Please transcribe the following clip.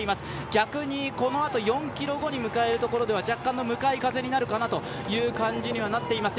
逆にこのあと４ｋｍ後に迎えるところでは、若干の向かい風になるかなというところではあります。